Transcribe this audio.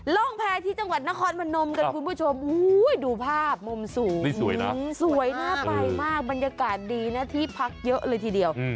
ร่องแพ้ที่จังหวัดนครพนมกันคุณผู้ชมดูภาพมุมสูงนี่สวยนะสวยน่าไปมากบรรยากาศดีนะที่พักเยอะเลยทีเดียว